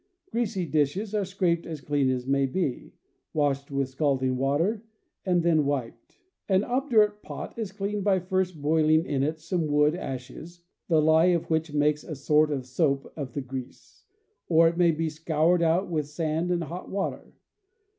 Greasy dishes are scraped as clean as may be, washed with scalding water, and then wiped. An obdurate pot is cleaned by first boiling in it some wood ashes, the lye of which makes a sort of soap of the grease; or it may be scoured out with sand and hot water.